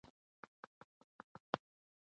که ښځه عاید ولري، نو د کورنۍ ژوند ښه کېږي.